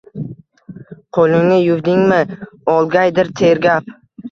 “Qo’lingni yuvdingmi?” – olgaydir tergab